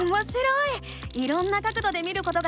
いろんな角どで見ることができるんだね！